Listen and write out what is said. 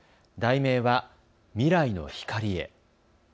題名は未来の光へ。